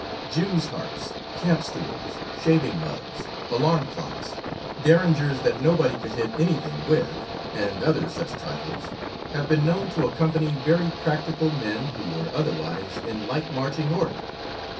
'" Jew's harps, camp stools, shaving mugs, alarm clocks, derringers that nobody could hit anything with, and other such trifles have been known to accompany very practical men who were otherwise in light marching order.